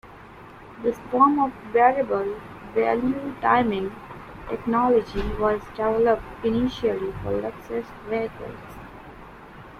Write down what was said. This form of variable valve timing technology was developed initially for Lexus vehicles.